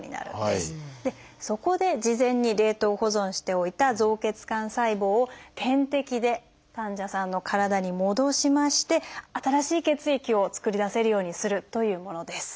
そこで事前に冷凍保存しておいた造血幹細胞を点滴で患者さんの体に戻しまして新しい血液を造り出せるようにするというものです。